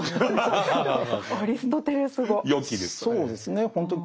「よき」ですね。